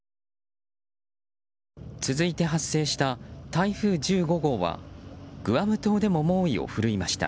続いて発生した台風１５号はグアム島でも猛威を振るいました。